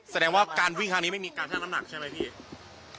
แสดงว่าการวิ่งครั้งนี้ไม่มีการให้น้ำหนักใช่ไหมพี่